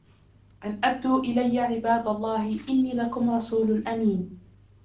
أَنْ أَدُّوا إِلَيَّ عِبَادَ اللَّهِ إِنِّي لَكُمْ رَسُولٌ أَمِينٌ